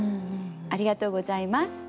ありがとうございます。